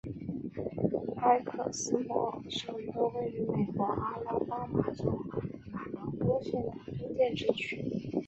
埃克斯莫尔是一个位于美国阿拉巴马州马伦戈县的非建制地区。